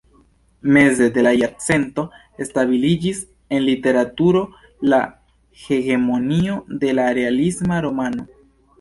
Meze de la jarcento stabiliĝis en literaturo la hegemonio de la realisma romano.